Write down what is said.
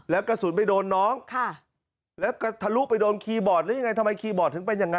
แล้วก็สุดไปโดนน้อง